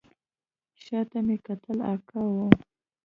شا ته مې وکتل اکا و.